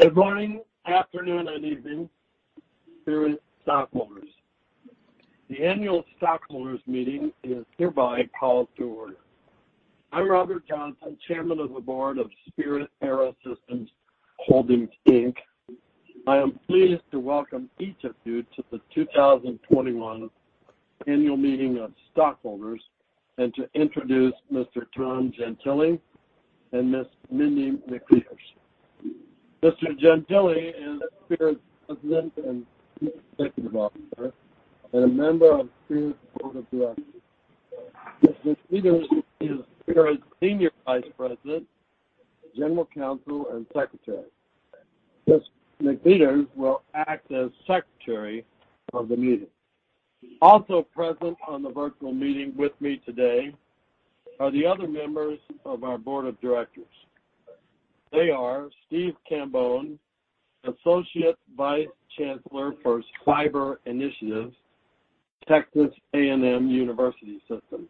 Good morning, afternoon, and evening, Spirit stockholders. The Annual Stockholders Meeting is hereby called to order. I'm Robert Johnson, Chairman of the Board of Spirit AeroSystems Holdings, Inc. I am pleased to welcome each of you to the 2021 Annual Meeting of Stockholders, and to introduce Mr. Tom Gentile and Ms. Mindy McPheeters. Mr. Gentile is Spirit's President and Chief Executive Officer, and a member of Spirit's Board of Directors. Ms. McPheeters is Spirit's Senior Vice President, General Counsel, and Secretary. Ms. McPheeters will act as secretary of the meeting. Also present on the virtual meeting with me today are the other members of our Board of Directors. They are Steve Cambone, Associate Vice Chancellor for Cyber Initiatives, Texas A&M University System,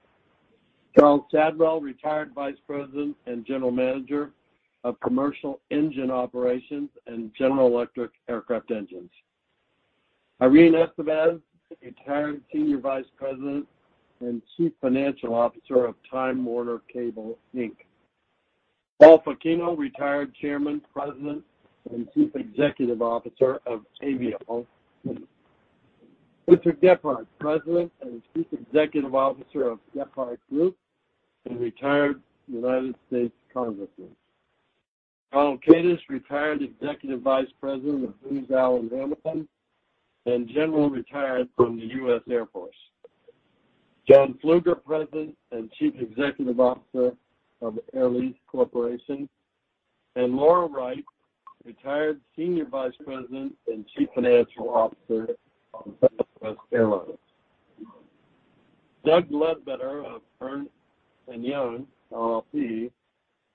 Charles Chadwell, Retired Vice President and General Manager of Commercial Engine Operations and General Electric Aircraft Engines, Irene Esteves, Retired Senior Vice President and Chief Financial Officer of Time Warner Cable, Inc., Paul Fulchino, Retired Chairman, President, and Chief Executive Officer of Aviall Company, Richard Gephardt, President and Chief Executive Officer of Gephardt Group and retired United States Congressman, Ronald Kadish, Retired Executive Vice President of Booz Allen Hamilton and retired General from the U.S. Air Force, John Plueger, President and Chief Executive Officer of Air Lease Corporation, and Laura Wright, Retired Senior Vice President and Chief Financial Officer of Southwest Airlines. Doug Ledbetter of Ernst & Young, LLP,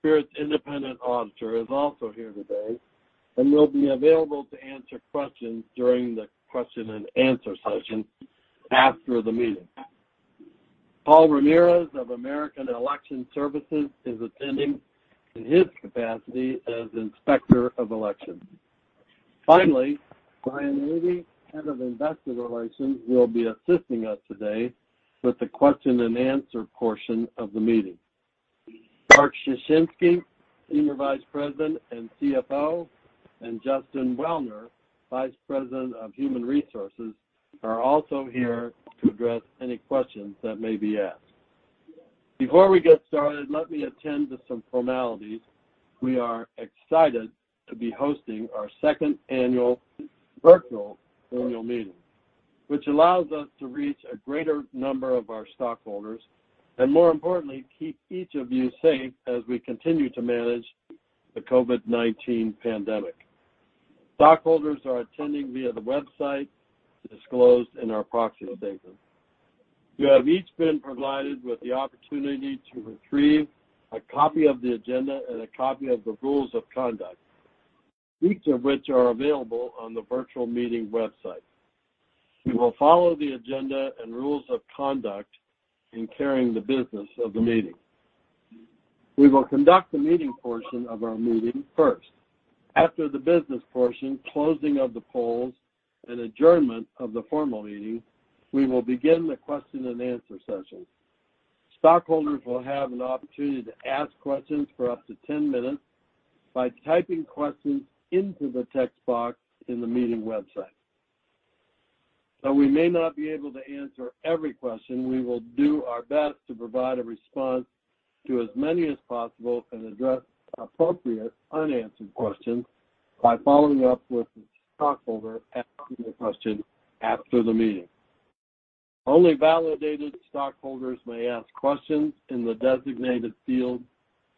Spirit's independent auditor, is also here today and will be available to answer questions during the question-and-answer session after the meeting. Paul Ramirez of American Election Services is attending in his capacity as Inspector of Election. Finally, Ryan Avey, Head of Investor Relations, will be assisting us today with the question-and-answer portion of the meeting. Mark Suchinski, Senior Vice President and CFO, and Justin Welner, Vice President of Human Resources, are also here to address any questions that may be asked. Before we get started, let me attend to some formalities. We are excited to be hosting our second annual virtual annual meeting, which allows us to reach a greater number of our stockholders, and more importantly, keep each of you safe as we continue to manage the COVID-19 pandemic. Stockholders are attending via the website disclosed in our proxy statement. You have each been provided with the opportunity to retrieve a copy of the agenda and a copy of the rules of conduct, each of which are available on the virtual meeting website. We will follow the agenda and rules of conduct in carrying the business of the meeting. We will conduct the meeting portion of our meeting first. After the business portion, closing of the polls, and adjournment of the formal meeting, we will begin the question-and-answer session. Stockholders will have an opportunity to ask questions for up to 10 minutes by typing questions into the text box in the meeting website. Though we may not be able to answer every question, we will do our best to provide a response to as many as possible and address appropriate unanswered questions by following up with the stockholder, asking the question after the meeting. Only validated stockholders may ask questions in the designated field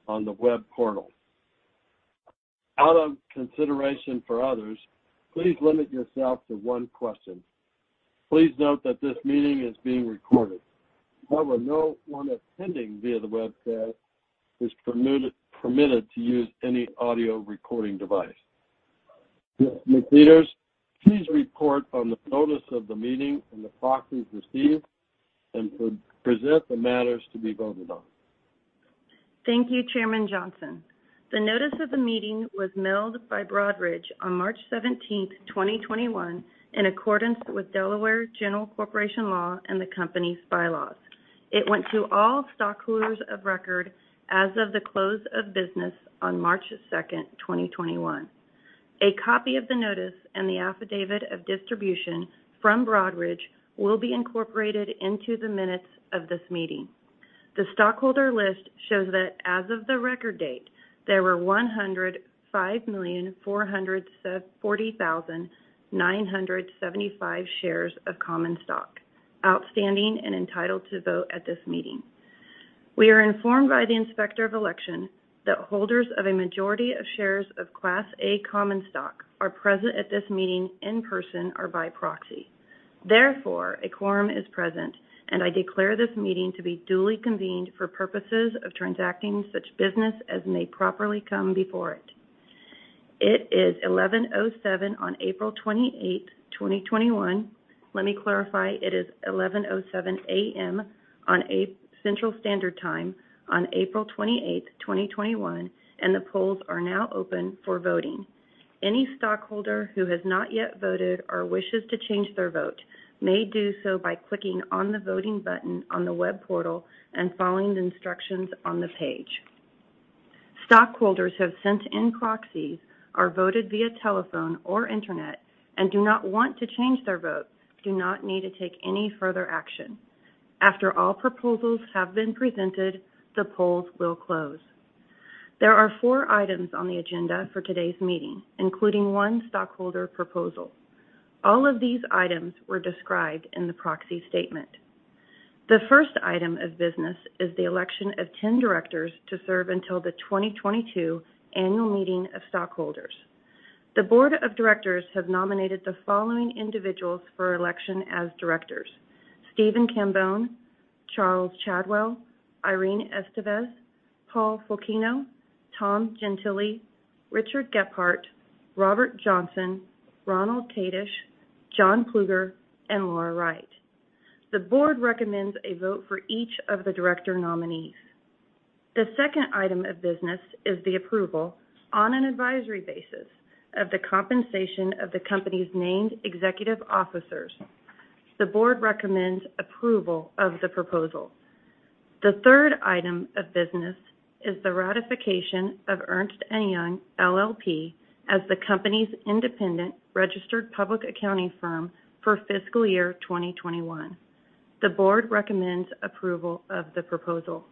on the web portal. Out of consideration for others, please limit yourself to one question. Please note that this meeting is being recorded. However, no one attending via the webcast is permitted to use any audio recording device. Ms. McPheeters, please report on the notice of the meeting and the proxies received, and present the matters to be voted on. Thank you, Chairman Johnson. The notice of the meeting was mailed by Broadridge on March 17, 2021, in accordance with Delaware General Corporation Law and the company's bylaws. It went to all stockholders of record as of the close of business on March 2, 2021. A copy of the notice and the affidavit of distribution from Broadridge will be incorporated into the minutes of this meeting. The stockholder list shows that as of the record date, there were 105,440,975 shares of common stock outstanding and entitled to vote at this meeting. We are informed by the Inspector of Election that holders of a majority of shares of Class A common stock are present at this meeting in person or by proxy. Therefore, a quorum is present, and I declare this meeting to be duly convened for purposes of transacting such business as may properly come before it. It is 11:07 on April 28, 2021. Let me clarify, it is 11:07 A.M. on Central Standard Time on April 28th, 2021, and the polls are now open for voting. Any stockholder who has not yet voted or wishes to change their vote may do so by clicking on the voting button on the web portal and following the instructions on the page. Stockholders have sent in proxies, or voted via telephone or internet, and do not want to change their vote, do not need to take any further action. After all proposals have been presented, the polls will close. There are four items on the agenda for today's meeting, including one stockholder proposal. All of these items were described in the proxy statement. The first item of business is the election of 10 directors to serve until the 2022 Annual Meeting of Stockholders. The Board of Directors have nominated the following individuals for election as directors: Stephen Cambone, Charles Chadwell, Irene Esteves, Paul Fulchino, Tom Gentile, Richard Gephardt, Robert Johnson, Ronald Kadish, John Plueger, and Laura Wright. The board recommends a vote for each of the director nominees. The second item of business is the approval on an advisory basis of the compensation of the company's named executive officers. The board recommends approval of the proposal. The third item of business is the ratification of Ernst & Young, LLP, as the company's independent registered public accounting firm for fiscal year 2021. The board recommends approval of the proposal.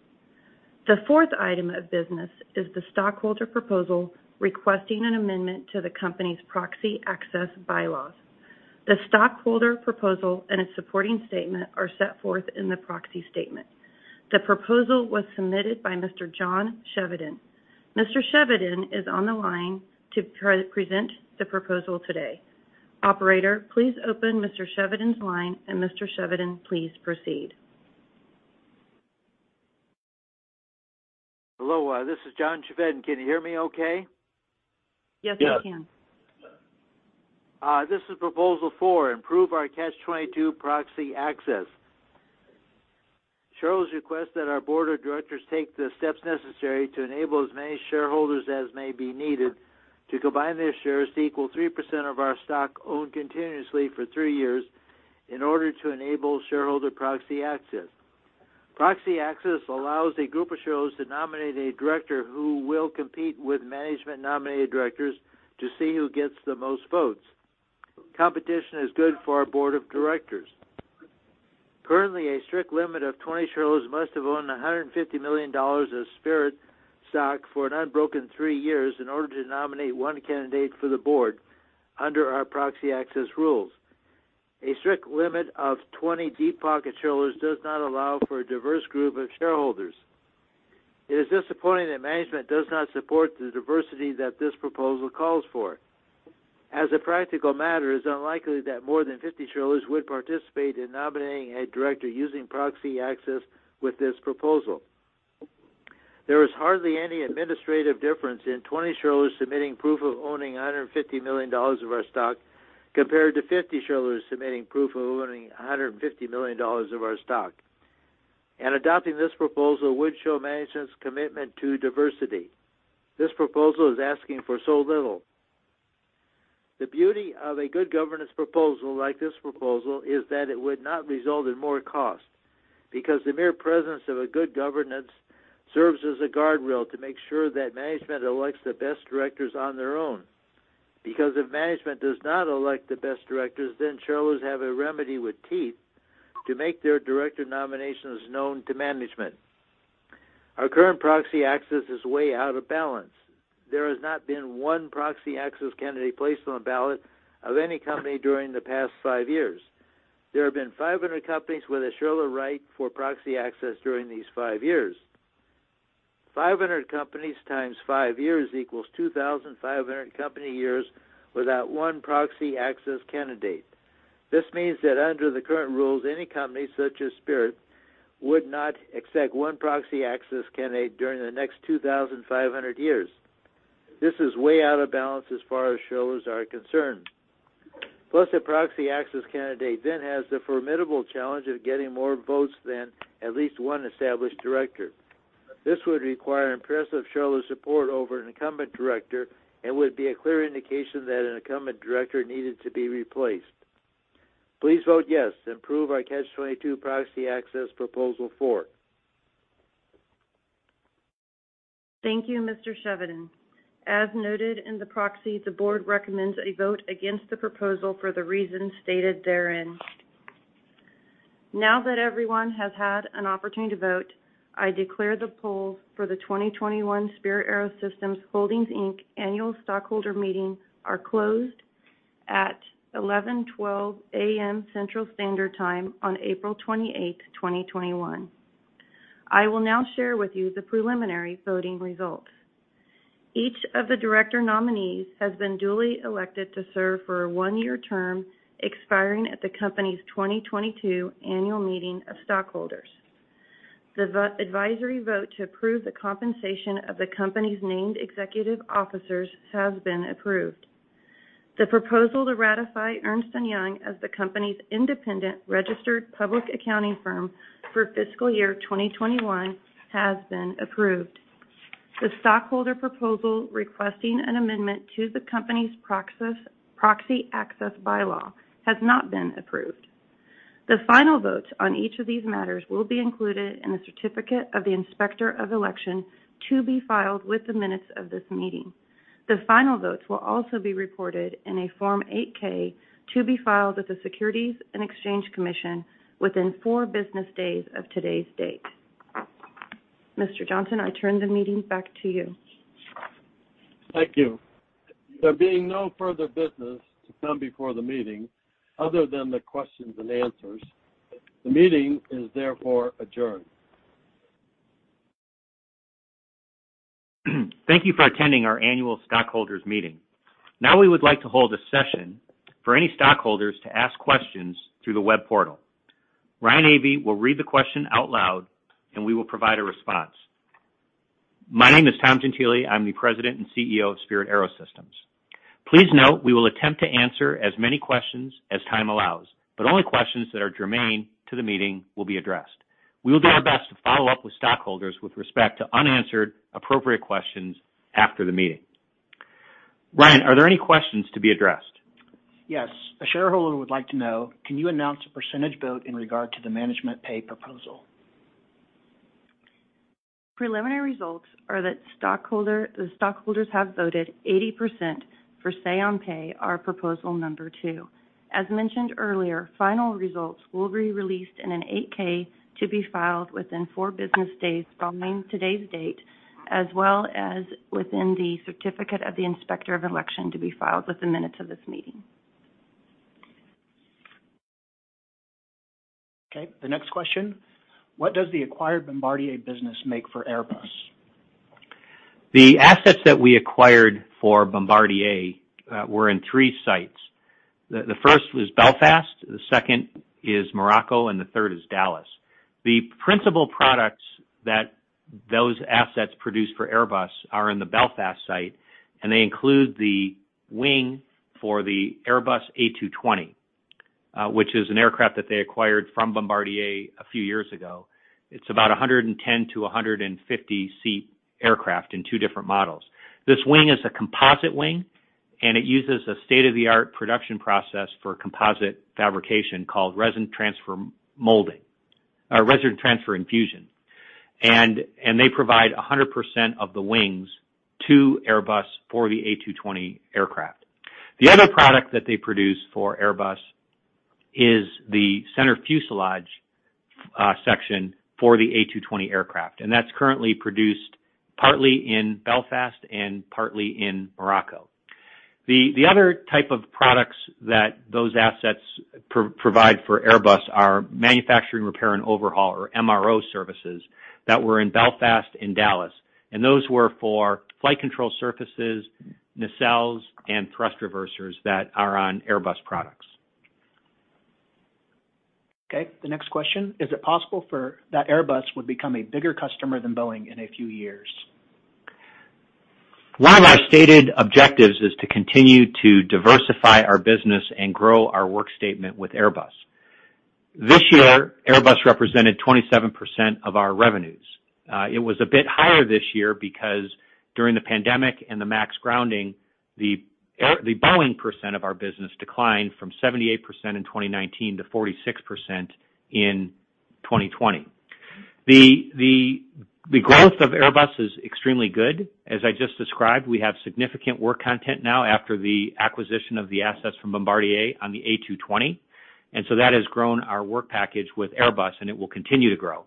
The fourth item of business is the stockholder proposal, requesting an amendment to the company's Proxy Access bylaws. The stockholder proposal and its supporting statement are set forth in the proxy statement. The proposal was submitted by Mr. John Chevedden. Mr. Chevedden is on the line to pre-present the proposal today. Operator, please open Mr. Chevedden's line, and Mr. Chevedden, please proceed. Hello, this is John Chevedden. Can you hear me okay? Yes, we can. This is Proposal Four: Improve our Catch-22 Proxy Access. Shareholders request that our board of directors take the steps necessary to enable as many shareholders as may be needed to combine their shares to equal 3% of our stock owned continuously for three years in order to enable shareholder proxy access. Proxy access allows a group of shareholders to nominate a director who will compete with management-nominated directors to see who gets the most votes. Competition is good for our board of directors. Currently, a strict limit of 20 shareholders must have owned $150 million of Spirit stock for an unbroken three years in order to nominate one candidate for the board under our proxy access rules. A strict limit of 20 deep-pocket shareholders does not allow for a diverse group of shareholders. It is disappointing that management does not support the diversity that this proposal calls for. As a practical matter, it is unlikely that more than 50 shareholders would participate in nominating a director using proxy access with this proposal. There is hardly any administrative difference in 20 shareholders submitting proof of owning $150 million of our stock, compared to 50 shareholders submitting proof of owning $150 million of our stock. Adopting this proposal would show management's commitment to diversity. This proposal is asking for so little. The beauty of a good governance proposal like this proposal is that it would not result in more costs, because the mere presence of a good governance serves as a guardrail to make sure that management elects the best directors on their own. Because if management does not elect the best directors, then shareholders have a remedy with teeth to make their director nominations known to management. Our current proxy access is way out of balance. There has not been one proxy access candidate placed on the ballot of any company during the past 5 years. There have been 500 companies with a shareholder right for proxy access during these 5 years. 500 companies times 5 years equals 2,500 company years without one proxy access candidate. This means that under the current rules, any company, such as Spirit, would not accept one proxy access candidate during the next 2,500 years. This is way out of balance as far as shareholders are concerned. Plus, a proxy access candidate then has the formidable challenge of getting more votes than at least one established director. This would require impressive shareholder support over an incumbent director and would be a clear indication that an incumbent director needed to be replaced. Please vote yes to improve our Catch-22 Proxy Access Proposal Four. Thank you, Mr. Chevedden. As noted in the proxy, the board recommends a vote against the proposal for the reasons stated therein. Now that everyone has had an opportunity to vote, I declare the polls for the 2021 Spirit AeroSystems Holdings, Inc. Annual Stockholder Meeting are closed at 11:12 A.M. Central Standard Time on April 28, 2021. I will now share with you the preliminary voting results. Each of the director nominees has been duly elected to serve for a one-year term, expiring at the company's 2022 Annual Meeting of Stockholders. The advisory vote to approve the compensation of the company's named executive officers has been approved. The proposal to ratify Ernst & Young as the company's independent registered public accounting firm for fiscal year 2021 has been approved. The stockholder proposal requesting an amendment to the company's proxy access bylaw has not been approved. The final votes on each of these matters will be included in the certificate of the Inspector of Election to be filed with the minutes of this meeting. The final votes will also be reported in a Form 8-K to be filed with the Securities and Exchange Commission within four business days of today's date. Mr. Johnson, I turn the meeting back to you. Thank you. There being no further business to come before the meeting, other than the questions and answers, the meeting is therefore adjourned. Thank you for attending our annual stockholders meeting. Now, we would like to hold a session for any stockholders to ask questions through the web portal. Ryan Avey will read the question out loud, and we will provide a response. My name is Tom Gentile. I'm the President and CEO of Spirit AeroSystems. Please note, we will attempt to answer as many questions as time allows, but only questions that are germane to the meeting will be addressed. We will do our best to follow up with stockholders with respect to unanswered, appropriate questions after the meeting. Ryan, are there any questions to be addressed? Yes. A shareholder would like to know, can you announce a percentage vote in regard to the management pay proposal? Preliminary results are that the stockholders have voted 80% for say on pay, our proposal number two. As mentioned earlier, final results will be released in an 8-K to be filed within four business days from today's date, as well as within the certificate of the Inspector of Election to be filed with the minutes of this meeting. Okay, the next question: What does the acquired Bombardier business make for Airbus? The assets that we acquired from Bombardier were in three sites. The first was Belfast, the second is Morocco, and the third is Dallas. The principal products that those assets produce for Airbus are in the Belfast site, and they include the wing for the Airbus A220, which is an aircraft that they acquired from Bombardier a few years ago. It's about 110-150-seat aircraft in two different models. This wing is a composite wing, and it uses a state-of-the-art production process for composite fabrication called Resin Transfer Molding, Resin Transfer Infusion. And they provide 100% of the wings to Airbus for the A220 aircraft. The other product that they produce for Airbus is the center fuselage section for the A220 aircraft, and that's currently produced partly in Belfast and partly in Morocco. The other type of products that those assets provide for Airbus are manufacturing, repair, and overhaul, or MRO services, that were in Belfast and Dallas, and those were for flight control surfaces, nacelles, and thrust reversers that are on Airbus products. Okay, the next question: Is it possible that Airbus would become a bigger customer than Boeing in a few years? One of my stated objectives is to continue to diversify our business and grow our work statement with Airbus. This year, Airbus represented 27% of our revenues. It was a bit higher this year because during the pandemic and the MAX grounding, the Boeing percent of our business declined from 78% in 2019 to 46% in 2020. The growth of Airbus is extremely good. As I just described, we have significant work content now after the acquisition of the assets from Bombardier on the A220, and so that has grown our work package with Airbus, and it will continue to grow.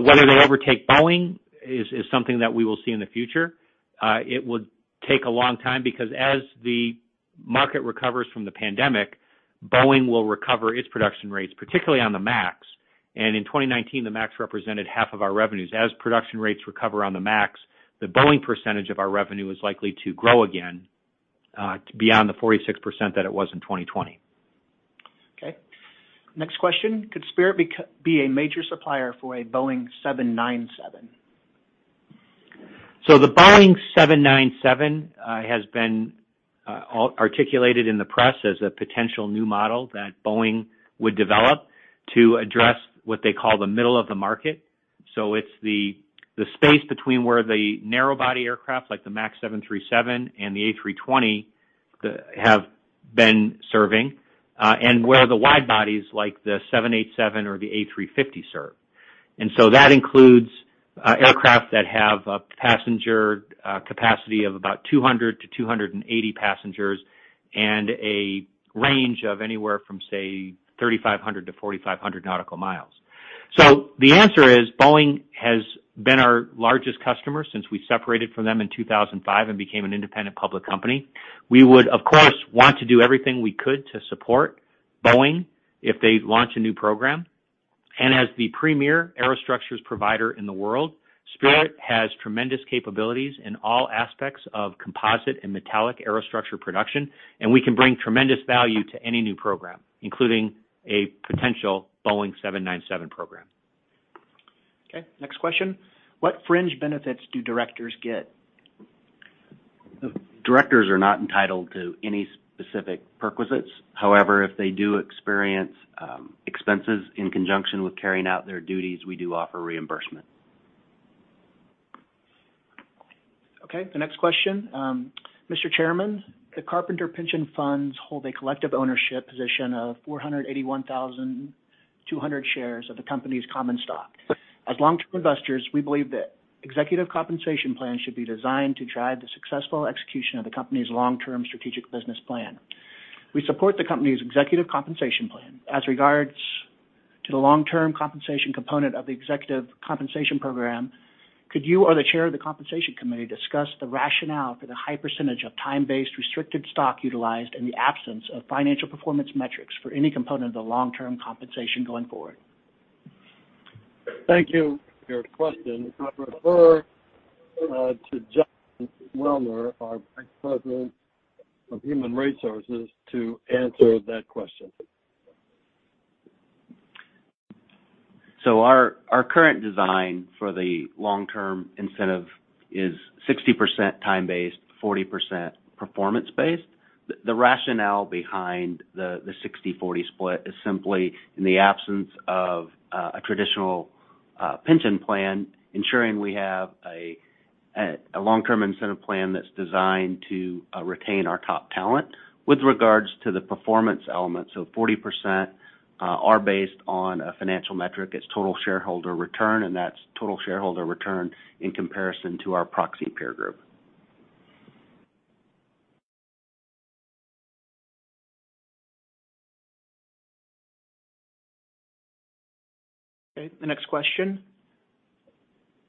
Whether they overtake Boeing is something that we will see in the future. It would take a long time because as the market recovers from the pandemic, Boeing will recover its production rates, particularly on the MAX. In 2019, the MAX represented half of our revenues. As production rates recover on the MAX, the Boeing percentage of our revenue is likely to grow again to beyond the 46% that it was in 2020. Okay. Next question: Could Spirit become a major supplier for a Boeing 797? So the Boeing 797 has been articulated in the press as a potential new model that Boeing would develop to address what they call the middle of the market. So it's the space between where the narrow-body aircraft, like the 737 MAX and the A320, have been serving, and where the wide-bodies, like the 787 or the A350, serve. And so that includes aircraft that have a passenger capacity of about 200-280 passengers and a range of anywhere from, say, 3,500-4,500 nautical miles. So the answer is Boeing has been our largest customer since we separated from them in 2005 and became an independent public company. We would, of course, want to do everything we could to support Boeing if they launch a new program. As the premier aerostructures provider in the world, Spirit has tremendous capabilities in all aspects of composite and metallic aerostructure production, and we can bring tremendous value to any new program, including a potential Boeing 797 program. Okay, next question: What fringe benefits do directors get? Directors are not entitled to any specific perquisites. However, if they do experience expenses in conjunction with carrying out their duties, we do offer reimbursement. Okay, the next question. Mr. Chairman, the Carpenters Pension Funds hold a collective ownership position of 481,200 shares of the company's common stock. As long-term investors, we believe that executive compensation plans should be designed to drive the successful execution of the company's long-term strategic business plan. We support the company's executive compensation plan. As regards to the long-term compensation component of the executive compensation program, could you or the chair of the compensation committee discuss the rationale for the high percentage of time-based restricted stock utilized in the absence of financial performance metrics for any component of the long-term compensation going forward? Thank you for your question. I'll refer to Justin Welner, our Vice President of Human Resources, to answer that question. So our current design for the long-term incentive is 60% time-based, 40% performance-based. The rationale behind the 60/40 split is simply, in the absence of a traditional pension plan, ensuring we have a long-term incentive plan that's designed to retain our top talent. With regards to the performance element, so 40% are based on a financial metric, it's Total Shareholder Return, and that's Total Shareholder Return in comparison to our proxy peer group. Okay, the next question.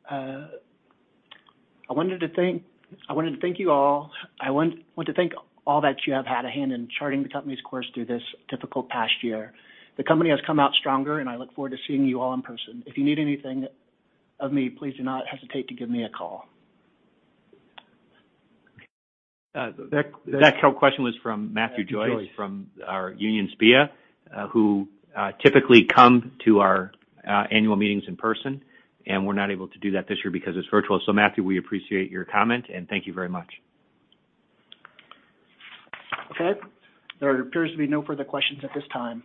I wanted to thank you all. I want to thank all that you have had a hand in charting the company's course through this difficult past year. The company has come out stronger, and I look forward to seeing you all in person. If you need anything of me, please do not hesitate to give me a call. That question was from Matthew Joyce, from our union SPEEA, who typically come to our annual meetings in person, and we're not able to do that this year because it's virtual. So Matthew, we appreciate your comment, and thank you very much. Okay, there appears to be no further questions at this time.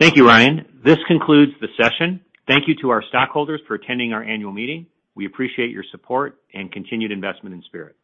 Thank you, Ryan. This concludes the session. Thank you to our stockholders for attending our annual meeting. We appreciate your support and continued investment in Spirit.